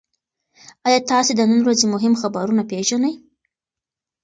ایا تاسي د نن ورځې مهم خبرونه پېژنئ؟